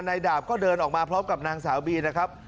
นายดาบก็เดินออกมาพร้อมกับนางสาวบีนะครับ